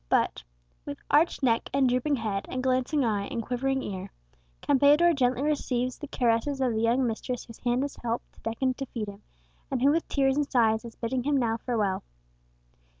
But "with arched neck, and drooping head, and glancing eye, and quivering ear," Campeador gently receives the caresses of the young mistress whose hand has helped to deck and to feed him, and who with tears and sighs is bidding him now farewell.